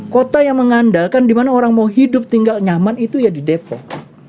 kota yang mengandalkan di mana orang mau hidup tinggal nyaman itu ya di depok